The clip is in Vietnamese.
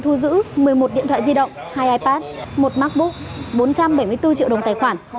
thu giữ một mươi một điện thoại di động hai ipad một macbook bốn trăm bảy mươi bốn triệu đồng tài khoản